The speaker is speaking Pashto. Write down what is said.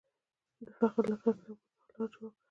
د فقر له کلکو ډبرو یې لاره جوړه کړه